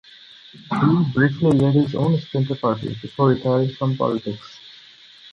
He briefly led his own splinter party before retiring from politics.